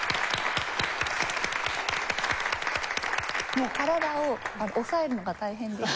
もう体を抑えるのが大変でした。